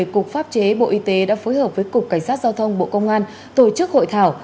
cục pháp chế bộ y tế đã phối hợp với cục cảnh sát giao thông bộ công an tổ chức hội thảo